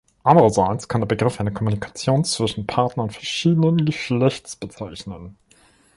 Andererseits kann der Begriff eine Kommunikation zwischen Partnern verschiedenen Geschlechts bezeichnen.